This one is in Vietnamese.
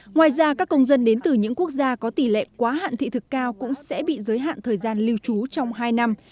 ngoài ra các công dân đến từ những quốc gia có tỷ lệ quá hạn thị thực cao cũng sẽ bị giới hạn thời gian lưu trú trong hai năm